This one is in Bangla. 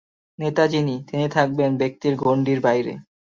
নেতা যিনি, তিনি থাকবেন ব্যক্তির গণ্ডীর বাইরে।